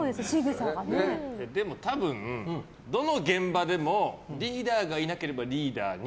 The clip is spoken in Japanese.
でも多分、どの現場でもリーダーがいなければリーダーに。